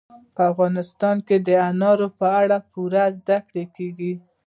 په افغانستان کې د انارو په اړه پوره زده کړه کېږي.